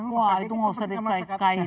wah itu gak usah dikaitkan lah